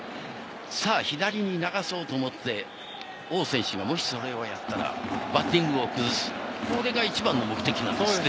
「さぁ左に流そう」と思って王選手がもしそれをやったらバッティングを崩すこれが一番の目的なんですね。